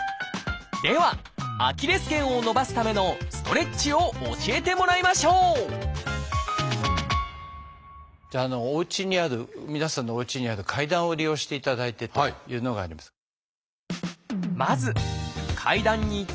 ではアキレス腱を伸ばすためのストレッチを教えてもらいましょうじゃあおうちにある皆さんのおうちにある階段を利用していただいてというのがあります。